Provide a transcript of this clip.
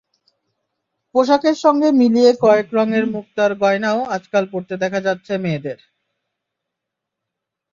পোশাকের সঙ্গে মিলিয়ে কয়েক রঙের মুক্তার গয়নাও আজকাল পরতে দেখা যাচ্ছে মেয়েদের।